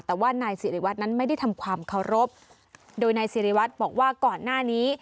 แต่ว่านายสิริวัตรนั้นไม่ได้ทำความเคารพโดยนายสิริวัตรบอกว่าก่อนหน้านี้